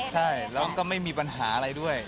ใช่แล้วก็ไม่มีปัญหาอะไรด้วย